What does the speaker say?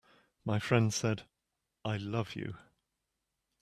My friend said: "I love you.